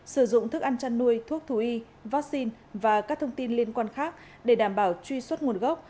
sử dụng thức ăn chăn nuôi thuốc thú y vaccine và các thông tin liên quan khác để đảm bảo truy xuất nguồn gốc